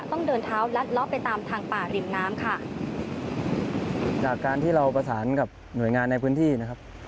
ต้องเดินเท้าลัดเลาะไปตามทางป่าริมน้ำค่ะจากการที่เราประสานกับหน่วยงานในพื้นที่นะครับ